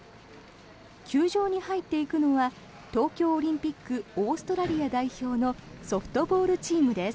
球場に入っていくのは東京オリンピックオーストラリア代表のソフトボールチームです。